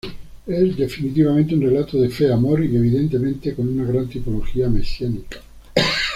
Es definitivamente un relato de fe, amor y evidentemente con una gran tipología mesiánica.